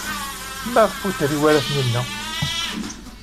Maɣef ur d-terri ara Taninna?